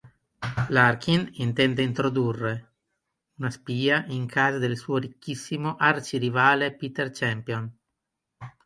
Larkin intende introdurre una spia in casa del suo ricchissimo arci-rivale Peter Champion.